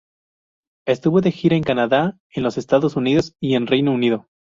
Estuvo de gira en Canadá, en los Estados Unidos y en Reino Unido.